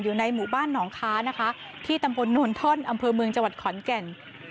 อยู่ในหมู่บ้านหนองค้านะคะที่ตำบลโนนท่อนอำเภอเมืองจังหวัดขอนแก่น